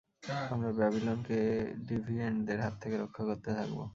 আমরা ব্যাবিলনকে ডিভিয়েন্টদের হাত থেকে রক্ষা করতে থাকব।